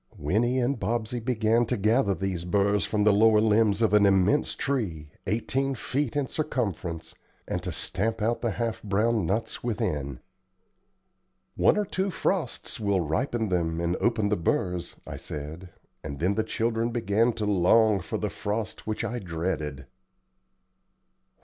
Winnie and Bobsey began to gather these burrs from the lower limbs of an immense tree, eighteen feet in circumference, and to stamp out the half brown nuts within. "One or two frosts will ripen them and open the burrs," I said, and then the children began to long for the frost which I dreaded.